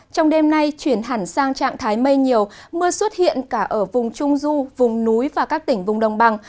trong đêm nay chuyển hẳn sang trạng thái mây nhiều mưa xuất hiện cả ở vùng trung du vùng núi và các tỉnh vùng đồng bằng